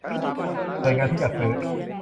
หน่วยงานที่จัดซื้อ